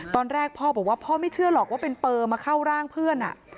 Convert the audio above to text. ตอนแรกพ่อบอกว่าพ่อไม่เชื่อหรอกว่าเป็นเปอร์มาเข้าร่างเพื่อน